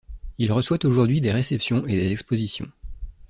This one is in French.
Il reçoit aujourd'hui des réceptions et des expositions.